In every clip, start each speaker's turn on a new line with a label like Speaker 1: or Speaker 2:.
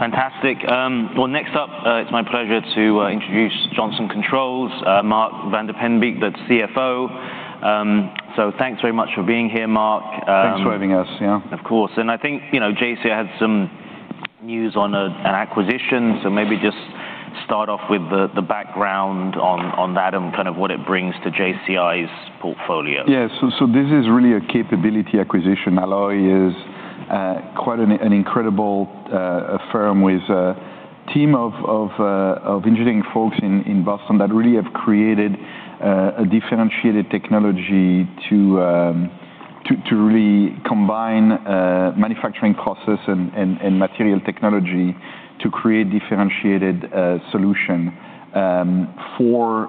Speaker 1: Fantastic. Well, next up, it's my pleasure to introduce Johnson Controls, Marc Vandiepenbeeck, the CFO. So thanks very much for being here, Marc.
Speaker 2: Thanks for having us. Yeah.
Speaker 1: Of course. And I think, you know, JCI had some news on an acquisition, so maybe just start off with the background on that and kind of what it brings to JCI's portfolio.
Speaker 2: Yeah. So this is really a capability acquisition. Alloy is quite an incredible firm with a team of engineering folks in Boston that really have created a differentiated technology to really combine manufacturing process and material technology to create differentiated solution for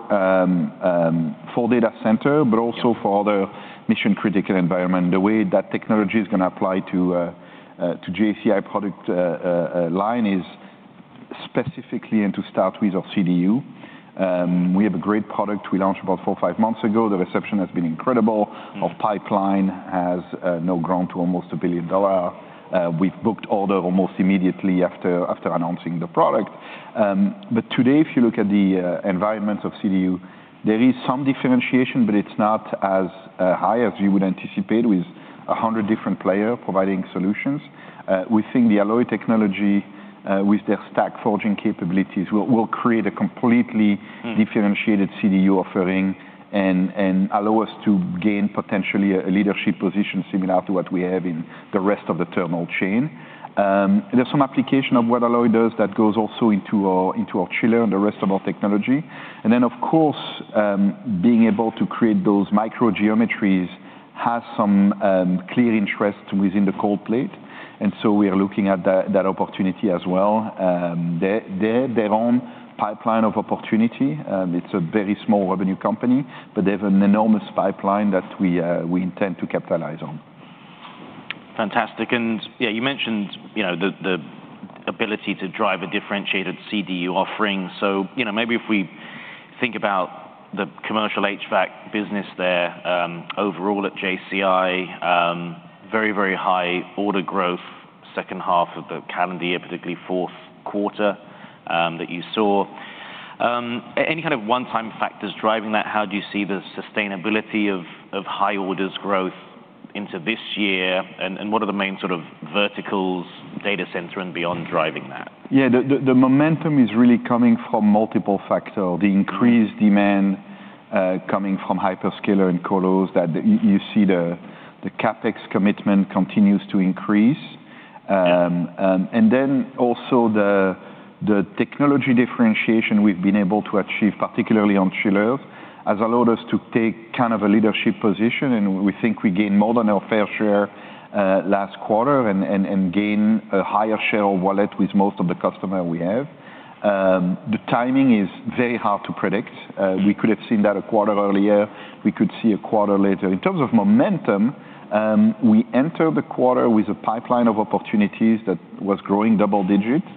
Speaker 2: data center, but also for other mission-critical environment. The way that technology is gonna apply to JCI product line is specifically and to start with our CDU. We have a great product we launched about four-five months ago. The reception has been incredible.
Speaker 1: Mm.
Speaker 2: Our pipeline has now grown to almost $1 billion. We've booked order almost immediately after announcing the product. But today, if you look at the environment of CDU, there is some differentiation, but it's not as high as you would anticipate with 100 different player providing solutions. We think the Alloy technology with their Stack Forging capabilities will create a completely-
Speaker 1: Mm...
Speaker 2: differentiated CDU offering and allow us to gain potentially a leadership position similar to what we have in the rest of the thermal chain. There's some application of what Alloy does that goes also into our chiller and the rest of our technology. And then, of course, being able to create those micro geometries has some clear interest within the cold plate, and so we are looking at that opportunity as well. Their own pipeline of opportunity, it's a very small revenue company, but they have an enormous pipeline that we intend to capitalize on.
Speaker 1: Fantastic. And, yeah, you mentioned, you know, the ability to drive a differentiated CDU offering. So, you know, maybe if we think about the commercial HVAC business there, overall at JCI, very, very high order growth, second half of the calendar year, particularly fourth quarter, that you saw. Any kind of one-time factors driving that? How do you see the sustainability of high orders growth into this year, and what are the main sort of verticals, data center and beyond, driving that?
Speaker 2: Yeah. The momentum is really coming from multiple factor.
Speaker 1: Mm.
Speaker 2: The increased demand coming from hyperscaler and colos, that you see the CapEx commitment continues to increase.
Speaker 1: Yeah...
Speaker 2: and then also the technology differentiation we've been able to achieve, particularly on chiller, has allowed us to take kind of a leadership position, and we think we gained more than our fair share last quarter and gain a higher share of wallet with most of the customer we have. The timing is very hard to predict.
Speaker 1: Mm.
Speaker 2: We could have seen that a quarter earlier. We could see a quarter later. In terms of momentum, we entered the quarter with a pipeline of opportunities that was growing double digits.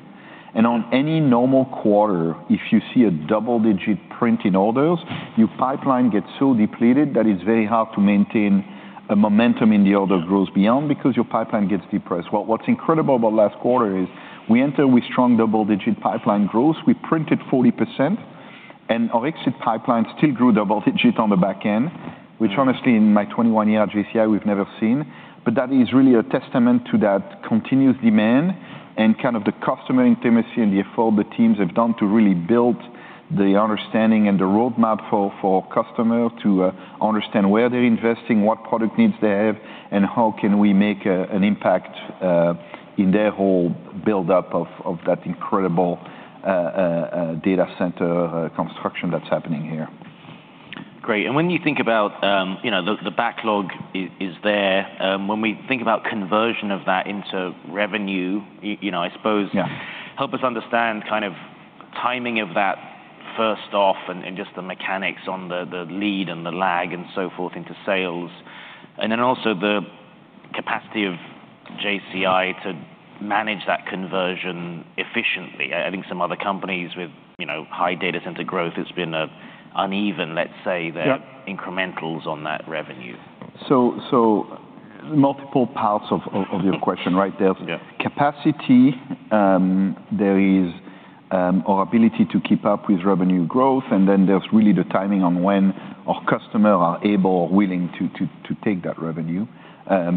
Speaker 2: On any normal quarter, if you see a double-digit print in orders, your pipeline gets so depleted that it's very hard to maintain a momentum in the order grows beyond because your pipeline gets depressed. What's incredible about last quarter is we entered with strong double-digit pipeline growth. We printed 40%, and our exit pipeline still grew double digit on the back end, which honestly, in my 21-year at JCI, we've never seen. But that is really a testament to that continuous demand and kind of the customer intimacy and the effort the teams have done to really build the understanding and the roadmap for customer to understand where they're investing, what product needs they have, and how can we make an impact in their whole build-up of that incredible data center construction that's happening here.
Speaker 1: Great. And when you think about, you know, the backlog is there, when we think about conversion of that into revenue, you know, I suppose-
Speaker 2: Yeah...
Speaker 1: help us understand kind of timing of that, first off, and, and just the mechanics on the, the lead and the lag and so forth into sales, and then also the capacity of JCI to manage that conversion efficiently. I, I think some other companies with, you know, high data center growth, it's been uneven, let's say-
Speaker 2: Yeah...
Speaker 1: their incrementals on that revenue.
Speaker 2: So, multiple parts of your question, right?
Speaker 1: Yeah.
Speaker 2: There's capacity, there is our ability to keep up with revenue growth, and then there's really the timing on when our customer are able or willing to take that revenue,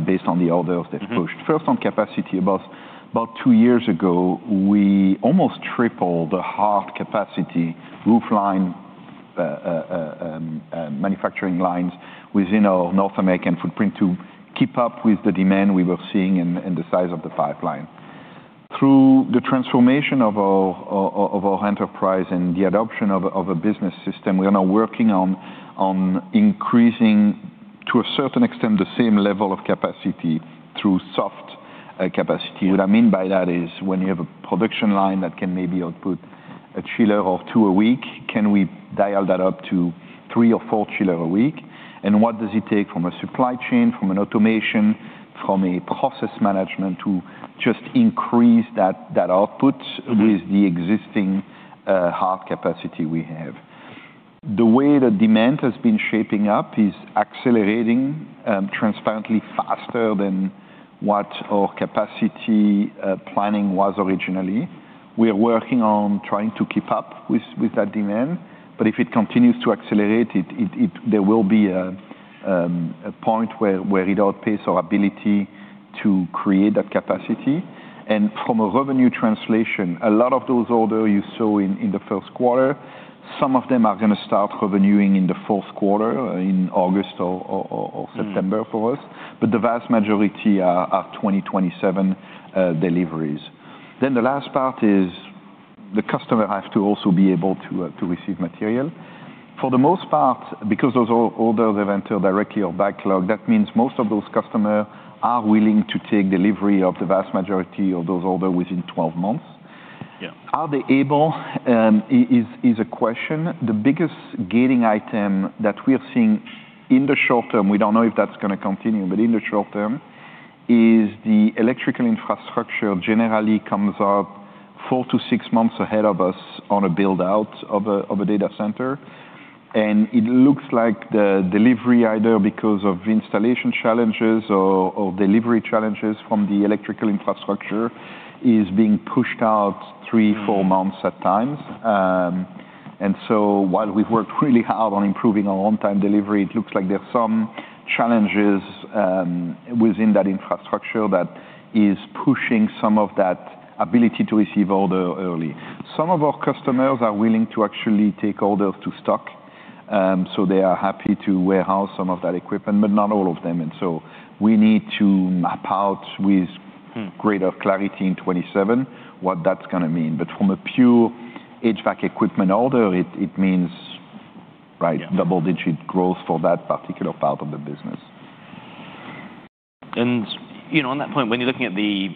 Speaker 2: based on the orders.
Speaker 1: Mm-hmm...
Speaker 2: they've pushed. First, on capacity, about two years ago, we almost tripled the hard capacity, roof line, manufacturing lines within our North American footprint to keep up with the demand we were seeing and the size of the pipeline. Through the transformation of our enterprise and the adoption of a business system, we are now working on increasing, to a certain extent, the same level of capacity through soft capacity. What I mean by that is, when you have a production line that can maybe output a chiller or two a week, can we dial that up to three or four chiller a week? And what does it take from a supply chain, from an automation, from a process management, to just increase that output-
Speaker 1: Mm-hmm...
Speaker 2: with the existing, hard capacity we have? The way the demand has been shaping up is accelerating, transparently faster than what our capacity, planning was originally. We are working on trying to keep up with that demand, but if it continues to accelerate, there will be a point where it outpaces our ability to create that capacity. And from a revenue translation, a lot of those orders you saw in the first quarter, some of them are going to start revenuing in the fourth quarter, in August or September for us, but the vast majority are 2027 deliveries. Then the last part is the customer has to also be able to receive material. For the most part, because those are orders they've entered directly or backlog, that means most of those customers are willing to take delivery of the vast majority of those orders within 12 months.
Speaker 1: Yeah.
Speaker 2: Are they able? Is a question. The biggest gating item that we are seeing in the short term, we don't know if that's going to continue, but in the short term, is the electrical infrastructure generally comes up four-six months ahead of us on a build-out of a data center. And it looks like the delivery, either because of installation challenges or delivery challenges from the electrical infrastructure, is being pushed out three-four months at times. And so while we've worked really hard on improving our on-time delivery, it looks like there are some challenges within that infrastructure that is pushing some of that ability to receive order early. Some of our customers are willing to actually take orders to stock, so they are happy to warehouse some of that equipment, but not all of them. We need to map out with-
Speaker 1: Mm...
Speaker 2: greater clarity in 2027, what that's gonna mean. But from a pure HVAC equipment order, it means, right, double-digit growth for that particular part of the business.
Speaker 1: You know, on that point, when you're looking at the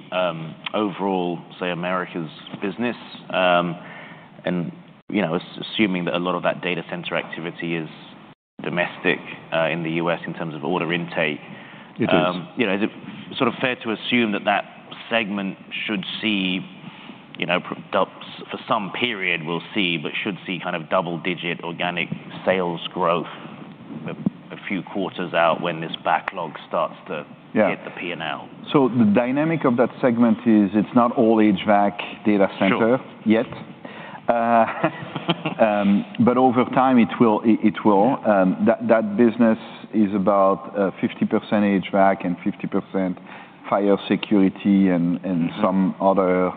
Speaker 1: overall, say, Americas business, and, you know, assuming that a lot of that data center activity is domestic, in the U.S. in terms of order intake-
Speaker 2: It is.
Speaker 1: You know, is it sort of fair to assume that that segment should see, you know, for some period, we'll see, but should see kind of double-digit organic sales growth a few quarters out when this backlog starts to-
Speaker 2: Yeah
Speaker 1: hit the P&L?
Speaker 2: So the dynamic of that segment is it's not all HVAC data center-
Speaker 1: Sure
Speaker 2: -yet. But over time, it will. It, it will.
Speaker 1: Yeah.
Speaker 2: That, that business is about 50% HVAC and 50% fire security and, and-
Speaker 1: Mm-hmm
Speaker 2: some other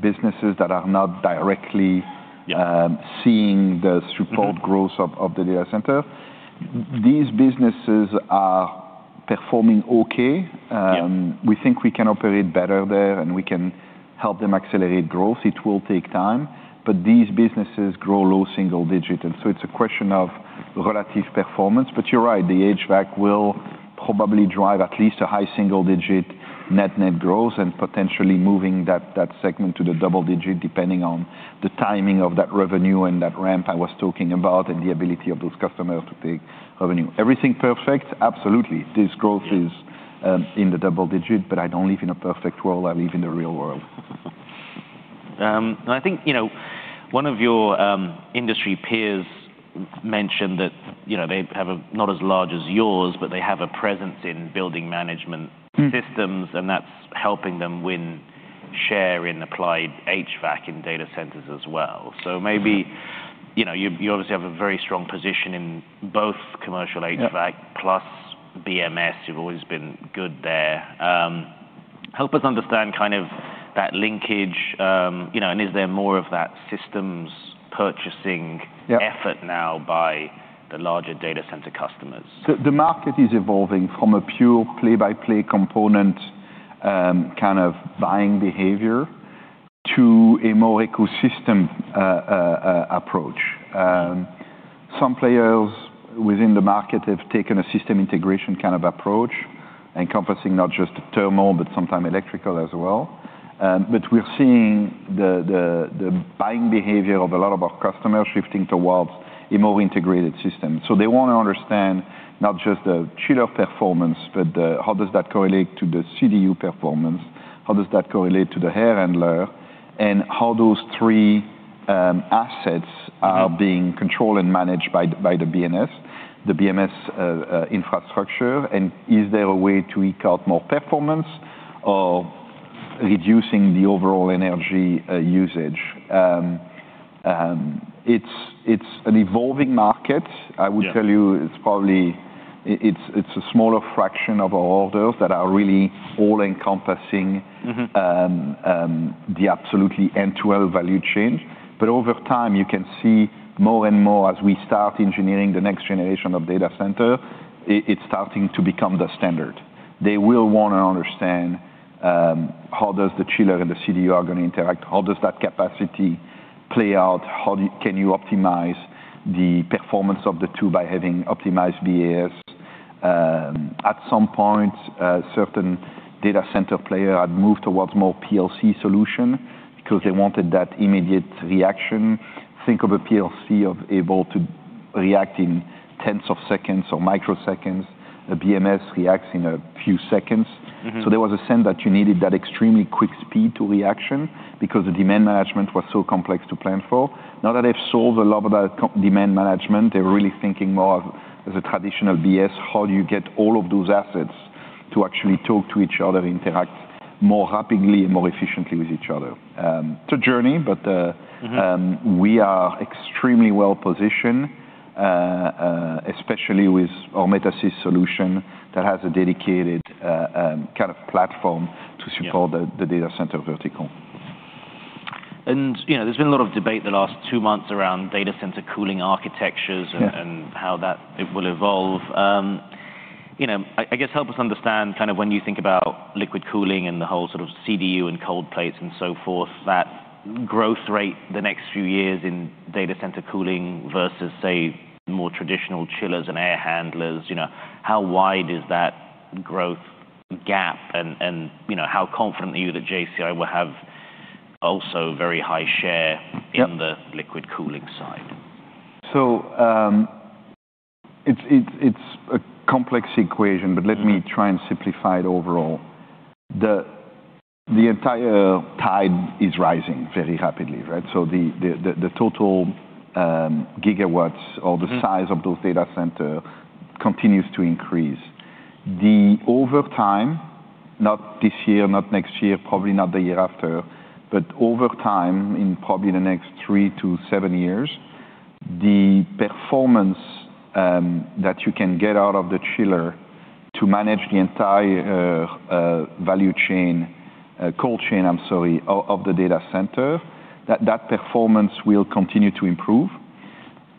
Speaker 2: businesses that are not directly-
Speaker 1: Yeah
Speaker 2: seeing the support-
Speaker 1: Mm-hmm
Speaker 2: -growth of the data center. These businesses are performing okay.
Speaker 1: Yeah.
Speaker 2: We think we can operate better there, and we can help them accelerate growth. It will take time, but these businesses grow low single digit, and so it's a question of relative performance. But you're right, the HVAC will probably drive at least a high single-digit net-net growth and potentially moving that segment to the double digit, depending on the timing of that revenue and that ramp I was talking about, and the ability of those customers to take revenue. Everything perfect? Absolutely. This growth is-
Speaker 1: Yeah
Speaker 2: in the double digit, but I don't live in a perfect world. I live in the real world.
Speaker 1: I think, you know, one of your industry peers mentioned that, you know, they have a... not as large as yours, but they have a presence in building management systems.
Speaker 2: Mm-hmm
Speaker 1: And that's helping them win share in applied HVAC in data centers as well.
Speaker 2: Sure.
Speaker 1: So maybe, you know, you obviously have a very strong position in both commercial HVAC-
Speaker 2: Yeah
Speaker 1: plus BMS. You've always been good there. Help us understand kind of that linkage, you know, and is there more of that systems purchasing-
Speaker 2: Yeah
Speaker 1: effort now by the larger data center customers?
Speaker 2: So the market is evolving from a pure play-by-play component, kind of buying behavior to a more ecosystem approach. Some players within the market have taken a system integration kind of approach, encompassing not just thermal, but sometimes electrical as well. But we're seeing the buying behavior of a lot of our customers shifting towards a more integrated system. So they want to understand not just the chiller performance, but how does that correlate to the CDU performance? How does that correlate to the air handler? And how those three assets-
Speaker 1: Mm-hmm
Speaker 2: Are being controlled and managed by the, by the BMS, the BMS infrastructure, and is there a way to eke out more performance or reducing the overall energy usage? It's an evolving market.
Speaker 1: Yeah.
Speaker 2: I will tell you, it's probably a smaller fraction of our orders that are really all-encompassing-
Speaker 1: Mm-hmm...
Speaker 2: the absolutely end-to-end value chain. But over time, you can see more and more as we start engineering the next generation of data center, it's starting to become the standard. They will wanna understand, how does the chiller and the CDU are going to interact? How does that capacity play out? How can you optimize the performance of the two by having optimized BAS? At some point, certain data center player had moved towards more PLC solution because they wanted that immediate reaction. Think of a PLC able to react in tenths of seconds or microseconds. A BMS reacts in a few seconds.
Speaker 1: Mm-hmm.
Speaker 2: So there was a sense that you needed that extremely quick speed to reaction because the demand management was so complex to plan for. Now that they've solved a lot of that co-demand management, they're really thinking more of, as a traditional BMS, how do you get all of those assets to actually talk to each other and interact more rapidly and more efficiently with each other? It's a journey, but,
Speaker 1: Mm-hmm...
Speaker 2: we are extremely well-positioned, especially with our Metasys solution that has a dedicated, kind of platform-
Speaker 1: Yeah
Speaker 2: - to support the data center vertical.
Speaker 1: You know, there's been a lot of debate the last two months around data center cooling architectures-
Speaker 2: Yeah
Speaker 1: - and how that it will evolve. You know, I guess, help us understand kind of when you think about liquid cooling and the whole sort of CDU and cold plates and so forth, that growth rate the next few years in data center cooling versus, say, more traditional chillers and air handlers, you know, how wide is that growth gap? And, you know, how confident are you that JCI will have also very high share-
Speaker 2: Yep
Speaker 1: - in the liquid cooling side?
Speaker 2: So, it's a complex equation.
Speaker 1: Yeah
Speaker 2: but let me try and simplify it overall. The entire tide is rising very rapidly, right? So the total gigawatts-
Speaker 1: Mm-hmm
Speaker 2: - or the size of those data center continues to increase. Over time, not this year, not next year, probably not the year after, but over time, in probably the next three-seven years, the performance that you can get out of the chiller to manage the entire value chain, cold chain, I'm sorry, of the data center, that performance will continue to improve.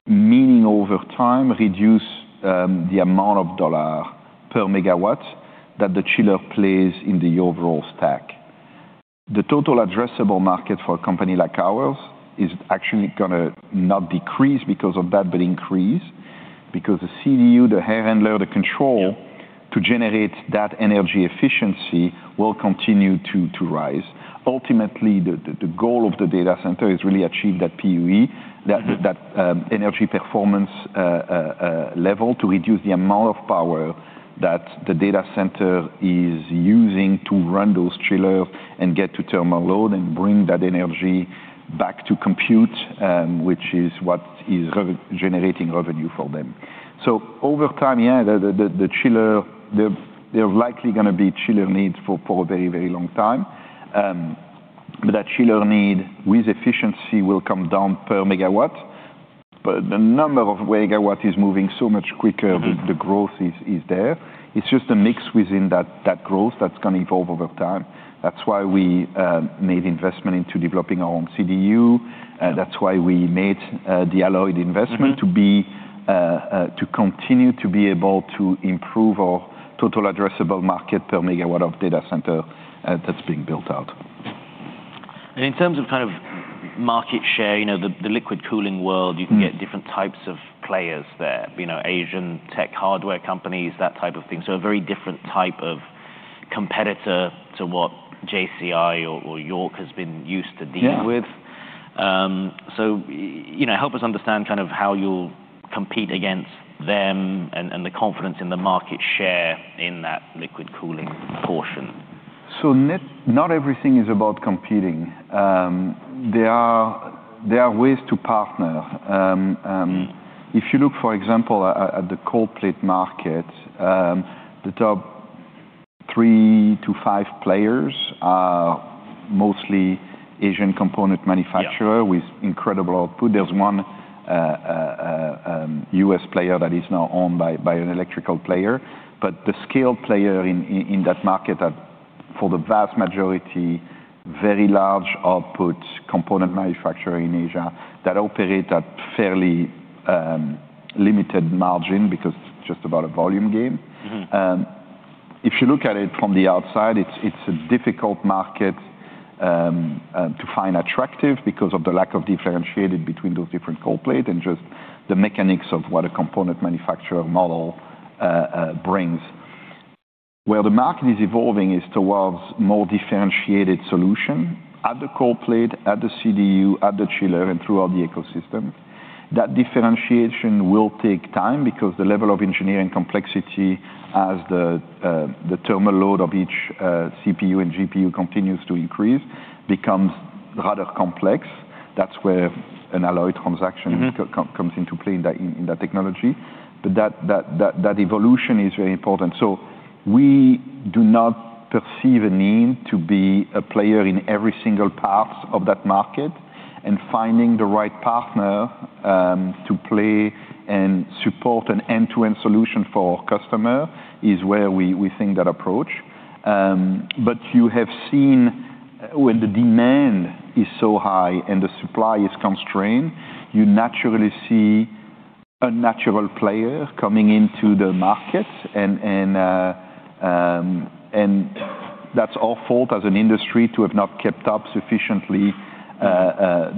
Speaker 2: Meaning, over time, reduce the amount of dollar per megawatt that the chiller plays in the overall stack. The total addressable market for a company like ours is actually gonna not decrease because of that, but increase because the CDU, the air handler, the control-
Speaker 1: Yeah
Speaker 2: - to generate that energy efficiency will continue to rise. Ultimately, the goal of the data center is really achieve that PUE-
Speaker 1: Mm-hmm
Speaker 2: ...that energy performance level to reduce the amount of power that the data center is using to run those chiller and get to thermal load and bring that energy back to compute, which is what is generating revenue for them. So over time, yeah, the chiller, there are likely gonna be chiller needs for a very, very long time. But that chiller need, with efficiency, will come down per megawatt, but the number of megawatt is moving so much quicker-
Speaker 1: Mm-hmm...
Speaker 2: the growth is there. It's just a mix within that growth that's gonna evolve over time. That's why we made investment into developing our own CDU.
Speaker 1: Yeah.
Speaker 2: That's why we made the Alloy investment-
Speaker 1: Mm-hmm...
Speaker 2: to continue to be able to improve our total addressable market per megawatt of data center, that's being built out.
Speaker 1: In terms of kind of market share, you know, the liquid cooling world-
Speaker 2: Mm-hmm...
Speaker 1: you can get different types of players there, you know, Asian tech hardware companies, that type of thing. So a very different type of competitor to what JCI or YORK has been used to dealing with.
Speaker 2: Yeah.
Speaker 1: You know, help us understand kind of how you'll compete against them and, and the confidence in the market share in that liquid cooling portion?
Speaker 2: So not everything is about competing. There are ways to partner. If you look, for example, at the Cold Plate market, the top three-five players are mostly Asian component manufacturer-
Speaker 1: Yeah...
Speaker 2: with incredible output. There's one U.S. player that is now owned by an electrical player. But the scale player in that market are, for the vast majority, very large output component manufacturer in Asia that operate at fairly limited margin because it's just about a volume game.
Speaker 1: Mm-hmm.
Speaker 2: If you look at it from the outside, it's a difficult market to find attractive because of the lack of differentiated between those different cold plate and just the mechanics of what a component manufacturer model brings. Where the market is evolving is towards more differentiated solution at the cold plate, at the CDU, at the chiller, and throughout the ecosystem. That differentiation will take time because the level of engineering complexity as the thermal load of each CPU and GPU continues to increase, becomes rather complex. That's where an Alloy transaction-
Speaker 1: Mm-hmm
Speaker 2: ...comes into play in that technology. But that evolution is very important. So we do not perceive a need to be a player in every single parts of that market, and finding the right partner to play and support an end-to-end solution for our customer is where we think that approach. But you have seen when the demand is so high and the supply is constrained, you naturally see a natural player coming into the market and that's our fault as an industry to have not kept up sufficiently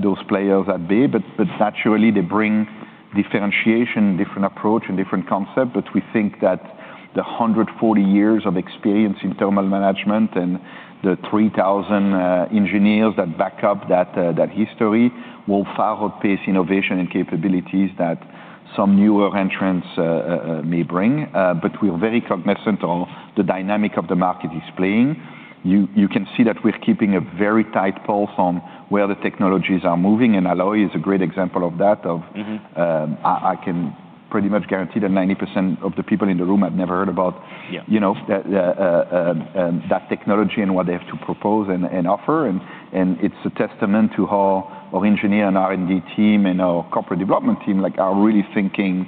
Speaker 2: those players at bay. But naturally, they bring differentiation and different approach and different concept, but we think that-... 140 years of experience in thermal management and the 3,000 engineers that back up that history will far outpace innovation and capabilities that some newer entrants may bring. But we're very cognizant of the dynamic of the market is playing. You can see that we're keeping a very tight pulse on where the technologies are moving, and Alloy is a great example of that, of-
Speaker 1: Mm-hmm.
Speaker 2: I can pretty much guarantee that 90% of the people in the room have never heard about-
Speaker 1: Yeah
Speaker 2: You know that technology and what they have to propose and offer. And it's a testament to how our engineer and R&D team and our corporate development team, like, are really thinking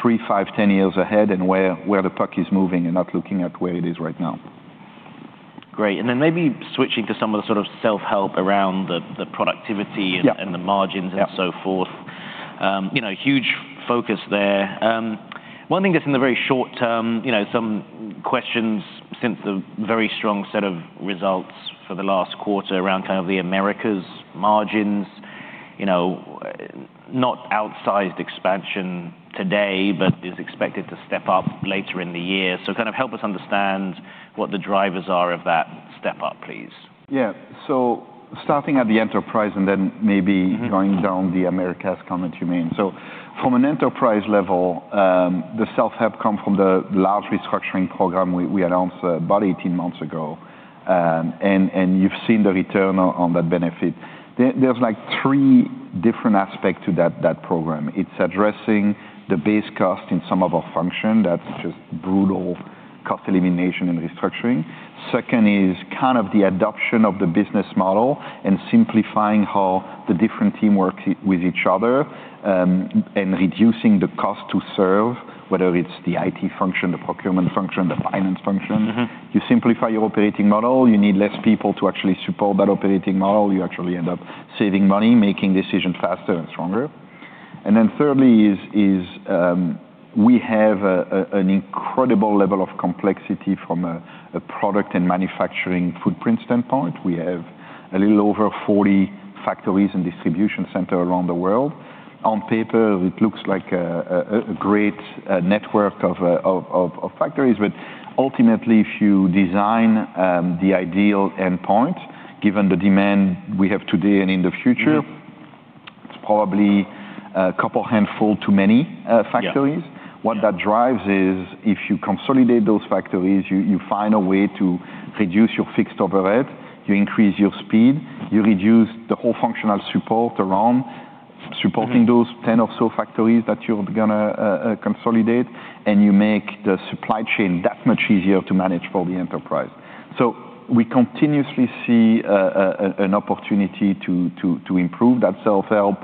Speaker 2: three, five, 10 years ahead and where the puck is moving and not looking at where it is right now.
Speaker 1: Great. And then maybe switching to some of the sort of self-help around the productivity and-
Speaker 2: Yeah
Speaker 1: and the margins.
Speaker 2: Yeah
Speaker 1: -and so forth. You know, huge focus there. One thing that's in the very short term, you know, some questions since the very strong set of results for the last quarter around kind of the Americas margins, you know, not outsized expansion today, but is expected to step up later in the year. So kind of help us understand what the drivers are of that step-up, please?
Speaker 2: Yeah. So starting at the enterprise and then maybe-
Speaker 1: Mm-hmm
Speaker 2: Going down the Americas comment you made. So from an enterprise level, the self-help come from the large restructuring program we announced about 18 months ago. And you've seen the return on that benefit. There's, like, three different aspects to that program. It's addressing the base cost in some of our function. That's just brutal cost elimination and restructuring. Second is kind of the adoption of the business model and simplifying how the different team work with each other, and reducing the cost to serve, whether it's the IT function, the procurement function, the finance function.
Speaker 1: Mm-hmm.
Speaker 2: You simplify your operating model, you need less people to actually support that operating model. You actually end up saving money, making decisions faster and stronger. And then, thirdly, we have an incredible level of complexity from a product and manufacturing footprint standpoint. We have a little over 40 factories and distribution center around the world. On paper, it looks like a great network of factories, but ultimately, if you design the ideal endpoint, given the demand we have today and in the future-
Speaker 1: Mm...
Speaker 2: it's probably a couple handful too many,
Speaker 1: Yeah
Speaker 2: -factories.
Speaker 1: Yeah.
Speaker 2: What that drives is, if you consolidate those factories, you find a way to reduce your fixed overhead, you increase your speed, you reduce the whole functional support around-
Speaker 1: Mm-hmm
Speaker 2: -supporting those 10 or so factories that you're gonna consolidate, and you make the supply chain that much easier to manage for the enterprise. So we continuously see an opportunity to improve that self-help.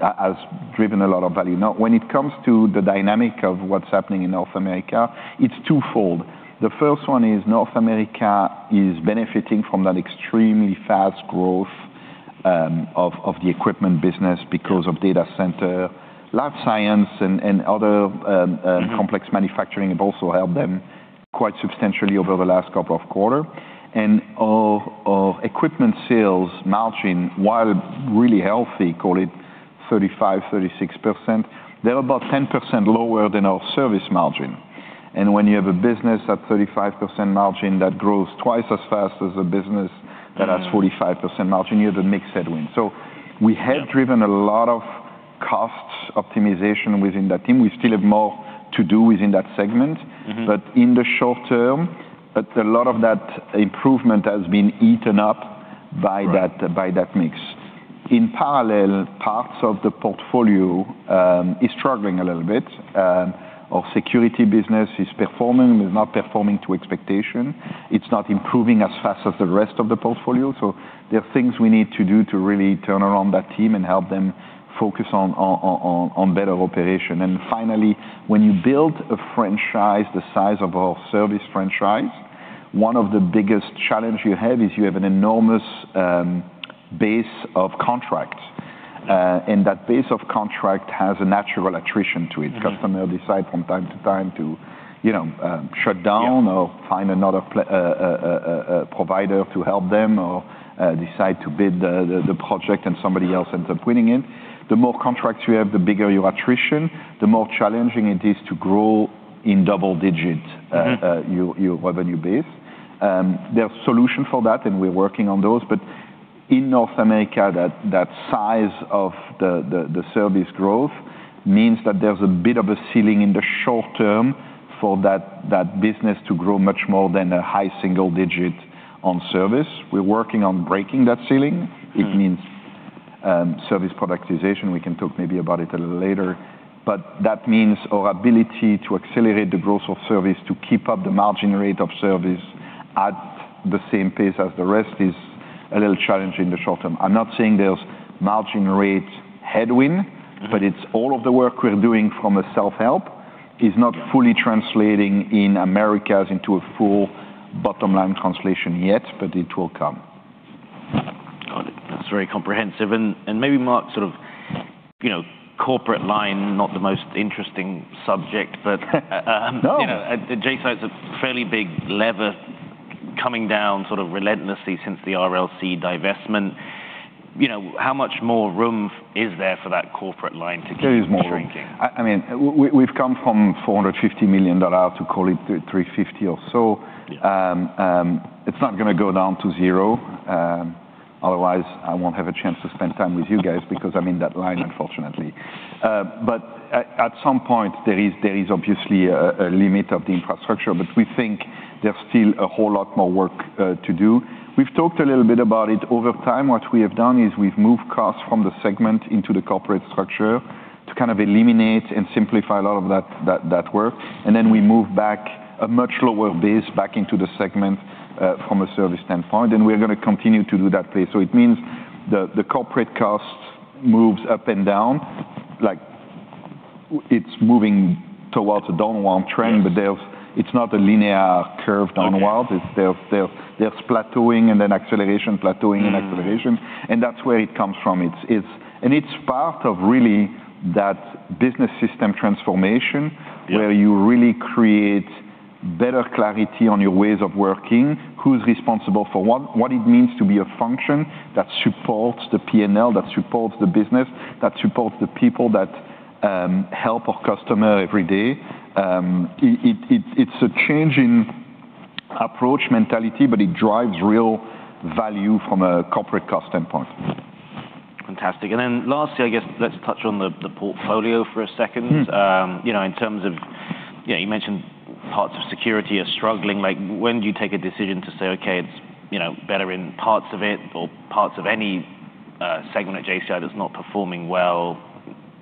Speaker 2: has driven a lot of value. Now, when it comes to the dynamic of what's happening in North America, it's twofold. The first one is North America is benefiting from that extremely fast growth of the equipment business because of data center. Life science and other.
Speaker 1: Mm-hmm
Speaker 2: complex manufacturing have also helped them quite substantially over the last couple of quarter. And our equipment sales margin, while really healthy, call it 35%-36%, they're about 10% lower than our service margin. And when you have a business at 35% margin, that grows twice as fast as a business-
Speaker 1: Mm
Speaker 2: that has 45% margin, you have a mixed headwind.
Speaker 1: Yeah.
Speaker 2: So we have driven a lot of cost optimization within that team. We still have more to do within that segment.
Speaker 1: Mm-hmm.
Speaker 2: But in the short term, a lot of that improvement has been eaten up by that-
Speaker 1: Right...
Speaker 2: by that mix. In parallel, parts of the portfolio is struggling a little bit, and our security business is performing, but is not performing to expectation. It's not improving as fast as the rest of the portfolio. So there are things we need to do to really turn around that team and help them focus on better operation. And finally, when you build a franchise the size of our service franchise, one of the biggest challenge you have is you have an enormous base of contracts, and that base of contract has a natural attrition to it.
Speaker 1: Mm-hmm.
Speaker 2: Customer decide from time to time to, you know, shut down-
Speaker 1: Yeah
Speaker 2: or find another provider to help them or decide to bid the project, and somebody else ends up winning it. The more contracts you have, the bigger your attrition, the more challenging it is to grow in double digit-
Speaker 1: Mm-hmm...
Speaker 2: your revenue base. There are solutions for that, and we're working on those, but in North America, that size of the service growth means that there's a bit of a ceiling in the short term for that business to grow much more than a high single digit on service. We're working on breaking that ceiling.
Speaker 1: Mm.
Speaker 2: It means service productization. We can talk maybe about it a little later, but that means our ability to accelerate the growth of service, to keep up the margin rate of service at the same pace as the rest, is a little challenging in the short term. I'm not saying there's margin rate headwind.
Speaker 1: Mm...
Speaker 2: but it's all of the work we're doing from a self-help is not-
Speaker 1: Yeah
Speaker 2: ...fully translating in Americas into a full bottom line translation yet, but it will come.
Speaker 1: Got it. That's very comprehensive. And maybe Mark, sort of, you know, corporate line, not the most interesting subject, but-
Speaker 2: No.
Speaker 1: You know, JCI is a fairly big lever coming down sort of relentlessly since the R&LC divestment, you know, how much more room is there for that corporate line to keep shrinking?
Speaker 2: There is more room. I mean, we've come from $450 million to, call it, $350 or so.
Speaker 1: Yeah.
Speaker 2: It's not gonna go down to zero, otherwise I won't have a chance to spend time with you guys because I'm in that line, unfortunately. But at some point, there is obviously a limit of the infrastructure, but we think there's still a whole lot more work to do. We've talked a little bit about it. Over time, what we have done is we've moved costs from the segment into the corporate structure to kind of eliminate and simplify a lot of that work, and then we move back a much lower base back into the segment from a service standpoint, and we're gonna continue to do that play. So it means the corporate cost moves up and down, like, it's moving towards a downward trend.
Speaker 1: Yes...
Speaker 2: but it's not a linear curve downward.
Speaker 1: Okay.
Speaker 2: There's plateauing and then acceleration, plateauing and acceleration.
Speaker 1: Mm-hmm.
Speaker 2: and that's where it comes from. It's, and it's part of really that business system transformation.
Speaker 1: Yeah...
Speaker 2: where you really create better clarity on your ways of working, who's responsible for what, what it means to be a function that supports the P&L, that supports the business, that supports the people, that help our customer every day. It's a change in approach, mentality, but it drives real value from a corporate cost standpoint.
Speaker 1: Fantastic. And then lastly, I guess let's touch on the portfolio for a second.
Speaker 2: Mm-hmm.
Speaker 1: You know, in terms of... You know, you mentioned parts of security are struggling. Like, when do you take a decision to say, "Okay, it's, you know, better in parts of it," or parts of any, segment at JCI that's not performing well,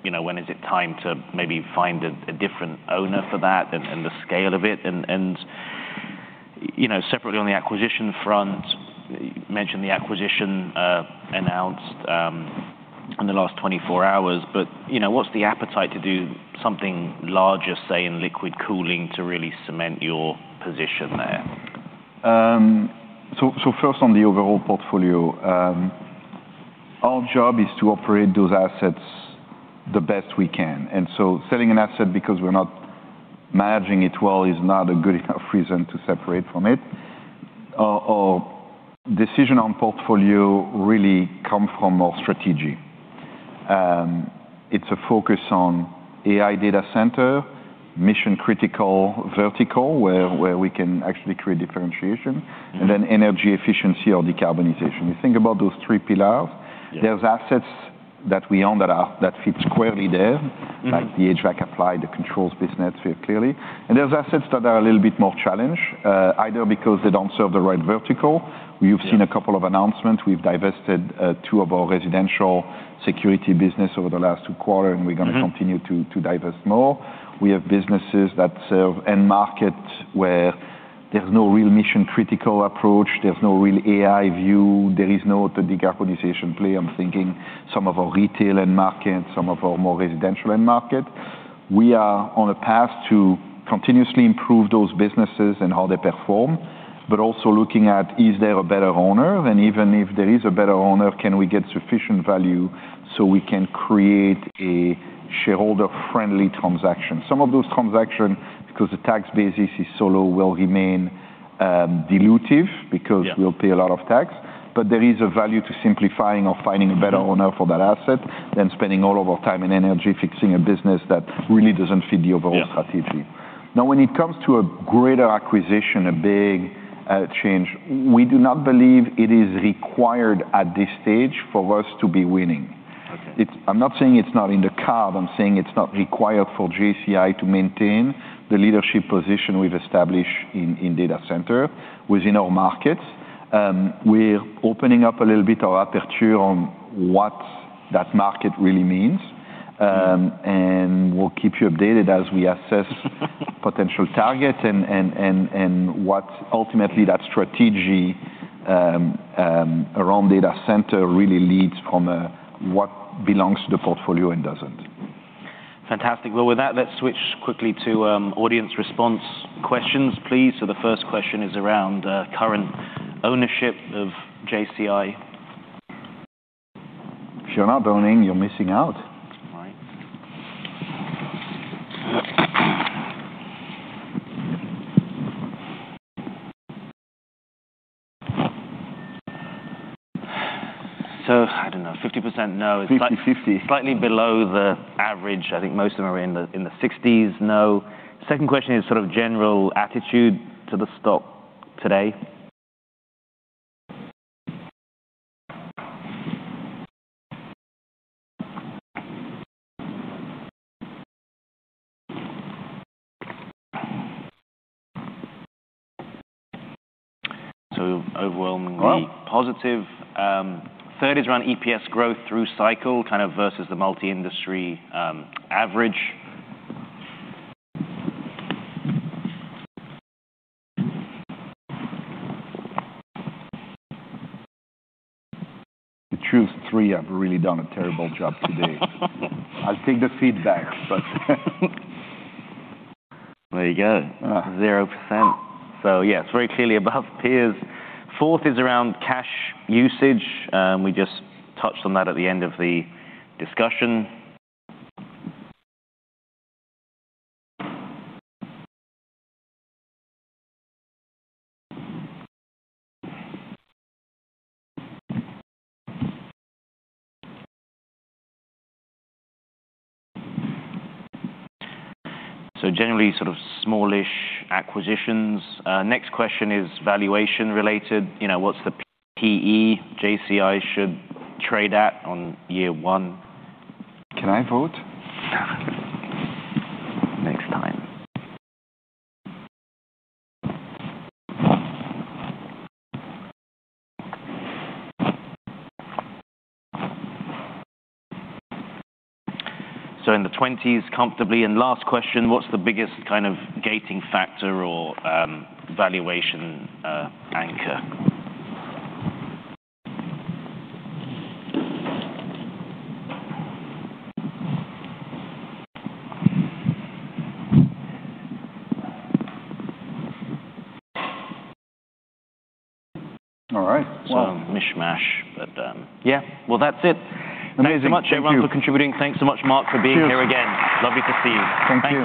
Speaker 1: you know, when is it time to maybe find a, a different owner for that and, and, the scale of it? And, and, you know, separately on the acquisition front, you mentioned the acquisition, announced in the last 24 hours, but, you know, what's the appetite to do something larger, say, in liquid cooling to really cement your position there?
Speaker 2: So, first on the overall portfolio, our job is to operate those assets the best we can, and so selling an asset because we're not managing it well is not a good enough reason to separate from it. Our decision on portfolio really come from our strategy. It's a focus on AI data center, mission-critical vertical, where we can actually create differentiation.
Speaker 1: Mm-hmm...
Speaker 2: and then energy efficiency or decarbonization. We think about those three pillars.
Speaker 1: Yeah.
Speaker 2: There's assets that we own that fit squarely there-
Speaker 1: Mm-hmm...
Speaker 2: like the HVAC applied, the controls business very clearly. There's assets that are a little bit more challenged, either because they don't serve the right vertical.
Speaker 1: Yeah.
Speaker 2: We've seen a couple of announcements. We've divested two of our residential security business over the last two quarter-
Speaker 1: Mm-hmm...
Speaker 2: and we're gonna continue to divest more. We have businesses that serve end markets where there's no real mission-critical approach, there's no real AI view, there is no decarbonization play. I'm thinking some of our retail end market, some of our more residential end market. We are on a path to continuously improve those businesses and how they perform, but also looking at, is there a better owner? Then even if there is a better owner, can we get sufficient value so we can create a shareholder-friendly transaction? Some of those transaction, because the tax basis is so low, will remain dilutive-
Speaker 1: Yeah...
Speaker 2: because we'll pay a lot of tax, but there is a value to simplifying or finding a better-
Speaker 1: Mm-hmm...
Speaker 2: owner for that asset than spending all of our time and energy fixing a business that really doesn't fit the overall strategy.
Speaker 1: Yeah.
Speaker 2: Now, when it comes to a greater acquisition, a big change, we do not believe it is required at this stage for us to be winning.
Speaker 1: Okay.
Speaker 2: I'm not saying it's not in the cards. I'm saying it's not required for JCI to maintain the leadership position we've established in data center within our markets. We're opening up a little bit our aperture on what that market really means. And we'll keep you updated as we assess potential targets and what ultimately that strategy around data center really leads from, what belongs to the portfolio and doesn't.
Speaker 1: Fantastic. Well, with that, let's switch quickly to audience response questions, please. So the first question is around current ownership of JCI.
Speaker 2: If you're not owning, you're missing out.
Speaker 1: Right. So I don't know, 50% no.
Speaker 2: 50/50.
Speaker 1: Slightly below the average. I think most of them are in the, in the sixties, no. Second question is sort of general attitude to the stock today. So overwhelmingly-
Speaker 2: Well...
Speaker 1: positive. Third is around EPS growth through cycle, kind of versus the multi-industry average.
Speaker 2: To choose three, I've really done a terrible job today. I'll take the feedback, but...
Speaker 1: There you go.
Speaker 2: Uh.
Speaker 1: 0%. So yeah, it's very clearly above peers. Fourth is around cash usage. We just touched on that at the end of the discussion. So generally, sort of smallish acquisitions. Next question is valuation related. You know, what's the PE JCI should trade at on year one?
Speaker 2: Can I vote?
Speaker 1: Definitely. Next time. So in the 20s, comfortably. And last question: What's the biggest kind of gating factor or, valuation, anchor?
Speaker 2: All right. Well-
Speaker 1: So mishmash, but, yeah. Well, that's it.
Speaker 2: Amazing. Thank you.
Speaker 1: Thanks so much, everyone, for contributing. Thanks so much, Marc, for being here again.
Speaker 2: Cheers.
Speaker 1: Lovely to see you.
Speaker 2: Thank you.